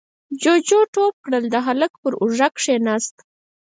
جُوجُو ټوپ کړل، د هلک پر اوږه کېناست: